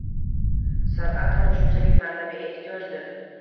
San’at ham shunchalik ma’naviy ehtiyojdir.